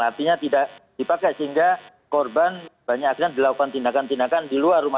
artinya tidak dipakai sehingga korban banyak akhirnya dilakukan tindakan tindakan di luar rumah